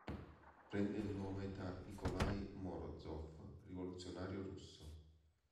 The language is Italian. Prende il nome da Nikolaj Morozov, rivoluzionario russo.